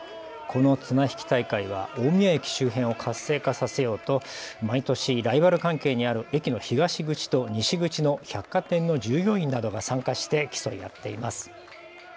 この綱引き大会は大宮駅周辺を活性化させようと毎年ライバル関係にある駅の東口と西口の百貨店の従業員などが参加して競い合っています。